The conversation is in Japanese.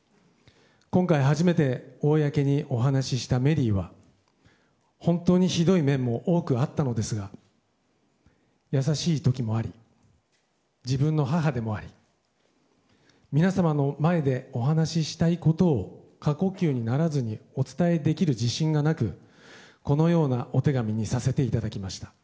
今回初めて公にお話ししたメリーは本当にひどい面も多くあったのですが優しい時もあり自分の母でもあり皆様の前でお話ししたいことを過呼吸にならずにお伝えできる自信がなくこのようなお手紙にさせていただきました。